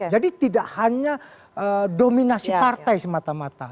jadi tidak hanya dominasi partai semata mata